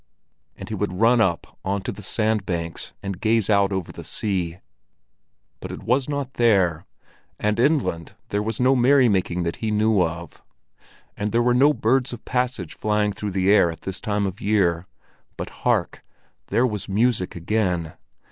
And he would run up on to the sandbanks and gaze out over the sea; but it was not there, and inland there was no merrymaking that he knew of, and there were no birds of passage flying through the air at this time of year. But hark! there was music again!